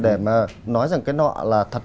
để mà nói rằng cái nọ là thật